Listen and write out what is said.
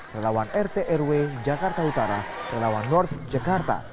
relawan rt rw jakarta utara relawan north jakarta